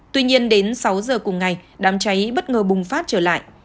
tuy nhiên đến sáu giờ cùng ngày đám cháy bất ngờ bùng phát trở lại